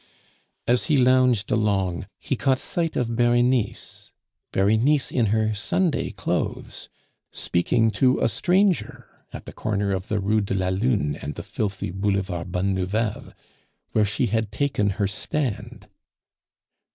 As he lounged along, he caught sight of Berenice Berenice in her Sunday clothes, speaking to a stranger at the corner of the Rue de la Lune and the filthy Boulevard Bonne Nouvelle, where she had taken her stand.